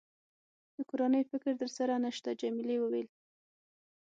د کورنۍ فکر در سره نشته؟ جميلې وويل:.